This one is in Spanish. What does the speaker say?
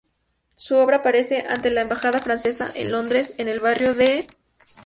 Su obra aparece ante la embajada francesa en Londres en el barrio de Knightsbridge.